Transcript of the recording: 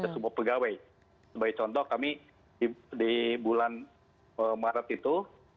sebagai contoh kami di bulan maret itu